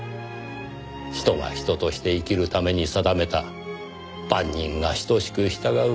人が人として生きるために定めた万人が等しく従うべきルール。